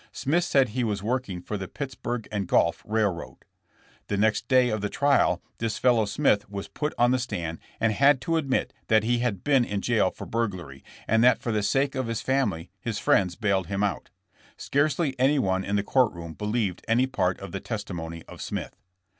Smith said he was working for the Pittsburg & Gulf railroad. The next day of the trial this fellow Smith was put on the stand and had to admit that he had been in jail for burglary, and that for the sake of his family his friends bailed him out. Scarcely anyone in the court room believed any part of the testimony of Smith.